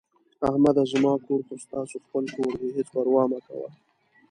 احمده زما کور خو ستاسو خپل کور دی، هېڅ پروا مه کوه...